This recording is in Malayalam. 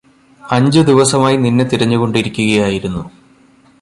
അഞ്ചുദിവസമായി നിന്നെ തിരഞ്ഞുകൊണ്ടിരിക്കുകയായിരുന്നു